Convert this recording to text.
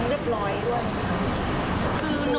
ไม่มีแน่นอนไม่มีไม่มีแน่นอน